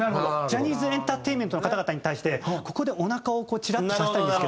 ジャニーズ・エンタテイメントの方々に対して「ここでおなかをこうチラッとさせたいんですけど」。